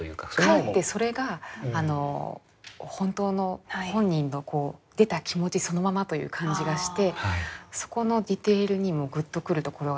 かえってそれが本当の本人の出た気持ちそのままという感じがしてそこのディテールにもグッとくるところがあったりするんですよね。